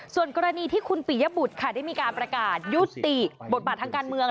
ส่วนกรณีที่คุณปิยบุตรค่ะได้มีการประกาศยุติบทบาททางการเมือง